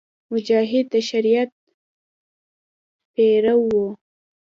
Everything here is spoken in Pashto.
مجاهد د شریعت پیرو وي.